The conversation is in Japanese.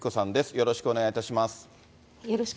よろしくお願いします。